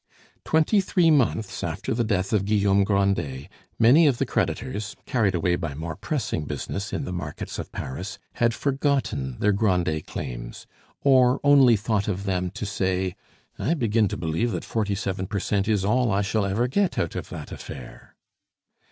Twenty three months after the death of Guillaume Grandet many of the creditors, carried away by more pressing business in the markets of Paris, had forgotten their Grandet claims, or only thought of them to say: "I begin to believe that forty seven per cent is all I shall ever get out of that affair."